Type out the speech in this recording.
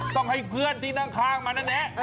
ต้องให้เพื่อนที่นั่งคล้างมานั่นแหนะ